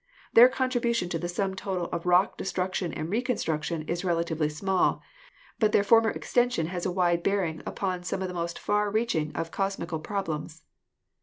Their contribution to the sum total of rock de struction and reconstruction is relatively small, but their former extension has a wide bearing upon some of the most far reaching of cosmical problems.